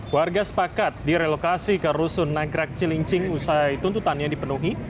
warga sepakat direlokasi ke rusun nagrek cilincing usai tuntutannya dipenuhi